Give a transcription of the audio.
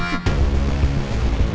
kembali ke rumah ini lagi